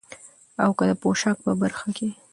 او که د پوشاک په برخه کې،